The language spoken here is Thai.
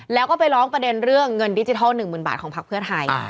แล้วก็ไปร้องประเด็นเรื่องเงินดิจิทัล๑๐๐๐บาทของพักเพื่อไทย